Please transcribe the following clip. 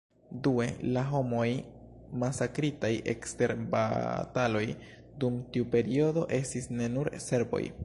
Due, la homoj masakritaj ekster bataloj dum tiu periodo estis ne nur serboj.